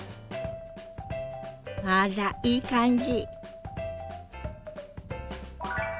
あらいい感じ。